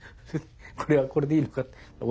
「これはこれでいいのか？」